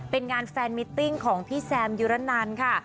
เป็นงานแฟนมิตติ้งของพี่แซมยุรนันค่ะ